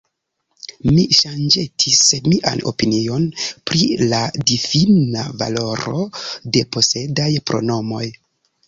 Mi ŝanĝetis mian opinion pri la difina valoro de posedaj pronomoj.